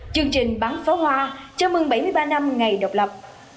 chương trình bắn pháo hoa chào mừng bảy mươi ba năm ngày độc lập